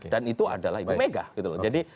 dan itu adalah ibu megah gitu loh